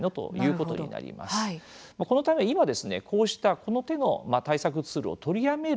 このため今ですね、こうしたこの手の対策ツールを取りやめる